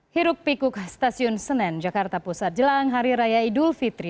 hiruk pikuk stasiun senen jakarta pusat jelang hari raya idul fitri